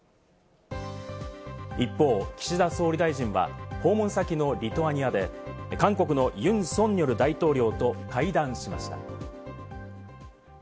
一方、岸田総理大臣は訪問先のリトアニアで韓国のユン・ソンニョル大統領と会談しました。